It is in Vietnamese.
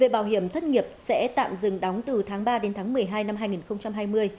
bảo hiểm thất nghiệp sẽ tạm dừng đóng từ tháng ba đến tháng một mươi hai năm hai nghìn hai mươi